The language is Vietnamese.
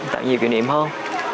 tạo nhiều kỷ niệm hơn